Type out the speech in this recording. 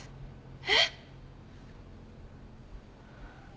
えっ！？